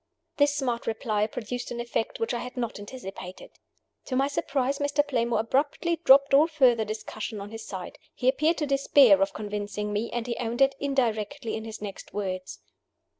This smart reply produced an effect which I had not anticipated. To my surprise, Mr. Playmore abruptly dropped all further discussion on his side. He appeared to despair of convincing me, and he owned it indirectly in his next words.